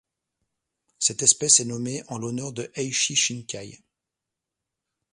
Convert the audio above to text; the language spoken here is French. Cette espèce est nommée en l'honneur de Eiichi Shinkai.